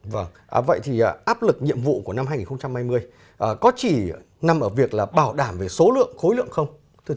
vâng vậy thì áp lực nhiệm vụ của năm hai nghìn hai mươi có chỉ nằm ở việc là bảo đảm về số lượng khối lượng không